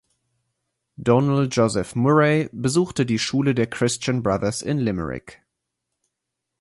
Donal Joseph Murray besuchte die Schule der Christian Brothers in Limerick.